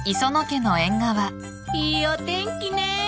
いいお天気ね。